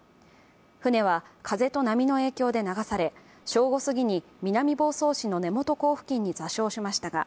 船は風と波の影響で流され、正午すぎに南房総市の根本港付近に座礁しましたが、